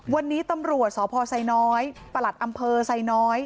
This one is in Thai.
วันนี้ตำรวจสพไซน้อยประหลัดอำเภอไซน้อย